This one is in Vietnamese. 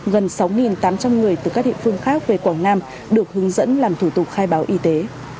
gần sáu tám trăm linh người từ các địa phương khác về quảng nam được hướng dẫn làm thủ tục khai báo y tế